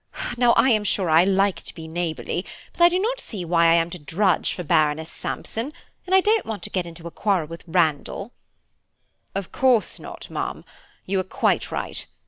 Now I am sure I like to be neighbourly, but I do not see why I am to drudge for Baroness Sampson, and I don't want to get into a quarrel with Randall." "Of course not, ma'am. You are quite right.